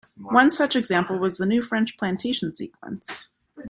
One such example was the new French Plantation sequence.